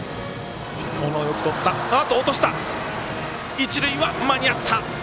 一塁は間に合った！